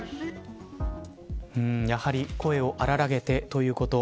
やはり声を荒らげてということ。